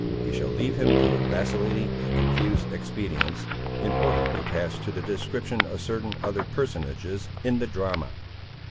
We shall leave him to his vacillating and confused expedients, in order to pass to the description of certain other personages in the drama.